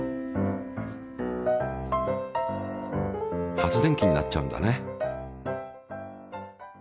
発電機になっちゃうんだね。